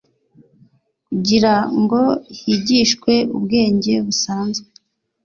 kugira ngo higishwe ubwenge busanzwe